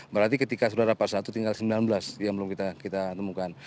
berarti ketika sudah dapat satu tinggal sembilan belas yang belum kita temukan